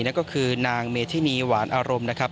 นั่นก็คือนางเมธินีหวานอารมณ์นะครับ